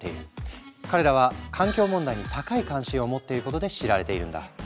彼らは環境問題に高い関心を持っていることで知られているんだ。